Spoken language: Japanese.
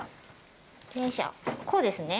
こうですね？